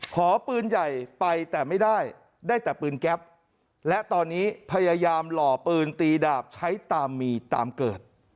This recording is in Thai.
ขอปืนใหญ่ไปแต่ไม่ได้ได้แต่ปืนแก๊ปและตอนนี้พยายามหล่อปืนตีดาบใช้ตามมีตามเกิด